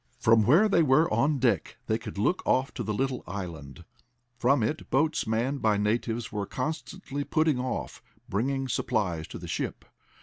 From where they were on deck they could look off to the little island. From it boats manned by natives were constantly putting off, bringing supplies to the ship.